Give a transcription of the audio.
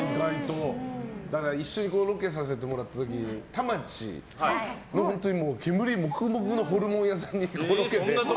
一緒にロケさせてもらった時田町の煙もくもくのホルモン屋さんにいて。